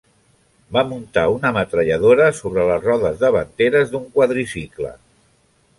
Va muntar una metralladora sobre les rodes davanteres d'un quadricicle.